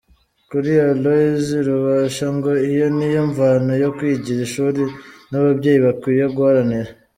Kuri Aloys Rubasha ngo iyo niyo mvano yo kwigira ishuri n’ababyeyi bakwiye guharanira.